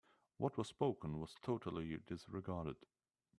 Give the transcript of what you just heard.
What was spoken was totally disregarded.